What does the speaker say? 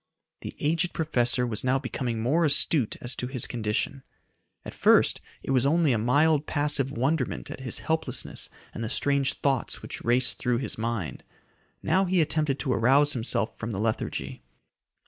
The aged professor was now becoming more astute as to his condition. At first it was only a mild, passive wonderment at his helplessness and the strange thoughts which raced through his mind. Now he attempted to arouse himself from the lethargy.